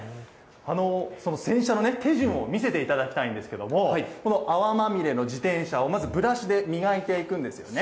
その洗車のね、手順を見せていただきたいんですけども、この泡まみれの自転車をまずブラシで磨いていくんですよね。